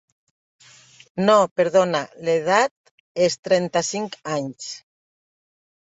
No, perdona: l'edat és trenta-cinc anys.